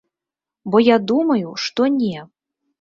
Бо я думаю, што не!